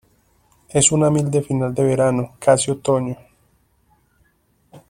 Es una miel de final de verano, casi otoño.